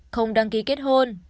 không đăng ký kết hôn